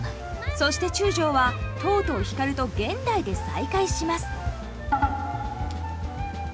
そして中将はとうとう光と現代で再会します。